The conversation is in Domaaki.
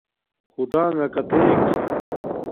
خُدݳ ݣݳ کتݵَک چھݺ؟